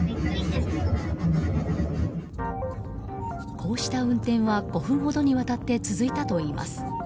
こうした運転は５分ほどにわたって続いたといいます。